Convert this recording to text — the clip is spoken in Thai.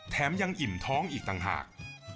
แถมยังอิ่มท้องอีกต่างหาก